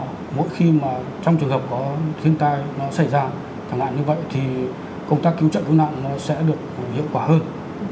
sau khi mà trong trường hợp có thiên tai nó xảy ra thẳng lại như vậy thì công tác cứu trợ cứu nạn nó sẽ được hiệu quả hơn